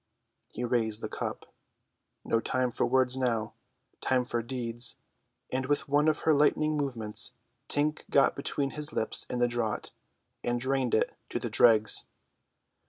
He raised the cup. No time for words now; time for deeds; and with one of her lightning movements Tink got between his lips and the draught, and drained it to the dregs.